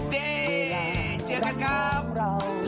เชียรักครับ